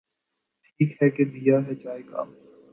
ٹھیک ہے کہ دیا ہے چائے کا۔۔۔